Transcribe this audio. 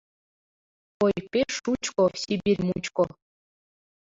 Ой, пеш шучко Сибирь мучко